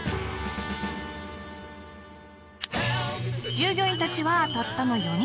従業員たちはたったの４人。